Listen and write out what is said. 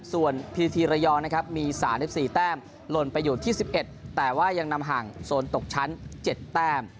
ส่วนพีทีระยองนะครับมี๓๔แต้มหล่นไปอยู่ที่๑๑แต่ว่ายังนำห่างโซนตกชั้น๗แต้ม